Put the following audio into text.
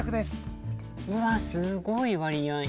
うわすごい割合！